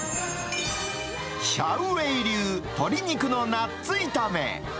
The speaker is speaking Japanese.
シャウ・ウェイ流、鶏肉のナッツ炒め。